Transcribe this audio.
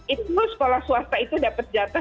itu sekolah swasta itu dapat jatuh